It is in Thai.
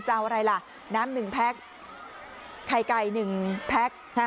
จะเอาอะไรล่ะน้ำหนึ่งแพ็กไข่ไก่หนึ่งแพ็ก